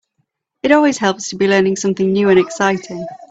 It always helps to be learning something new and exciting.